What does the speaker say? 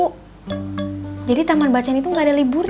tapi juga tempat warga bisa pinjem buku